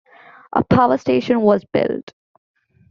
A power station was built.